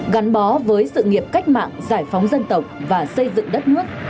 gắn bó với sự nghiệp cách mạng giải phóng dân tộc và xây dựng đất nước